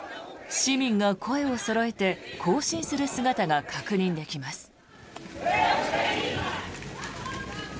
市民が声をそろえて行進する姿が確認できます。